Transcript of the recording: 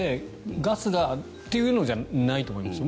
ガスだ！っていうのじゃないと思います。